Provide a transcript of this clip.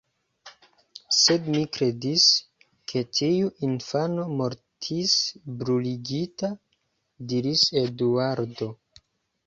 Sed mi kredis, ke tiu infano mortis bruligita, diris Eduardo.